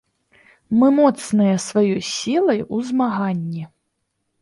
Мы моцныя сваёй сілай у змаганні!